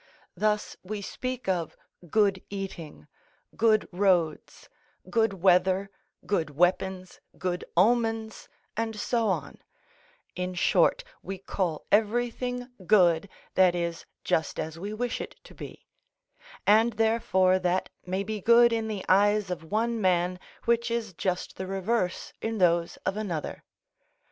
Thus we speak of good eating, good roads, good weather, good weapons, good omens, and so on; in short, we call everything good that is just as we wish it to be; and therefore that may be good in the eyes of one man which is just the reverse in those of another.